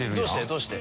どうして？